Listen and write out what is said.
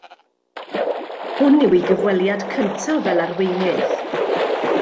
Hwn yw ei gyfweliad cyntaf fel arweinydd.